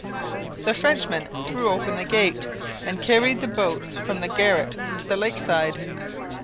The Frenchmen threw open the gate, and carried the boats from the garret to the lakeside.